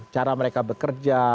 cara mereka bekerja